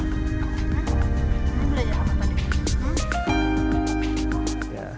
nah ini belajar apa nih